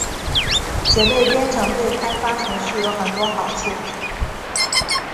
结对编程对开发程序有很多好处。